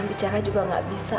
bicara juga nggak bisa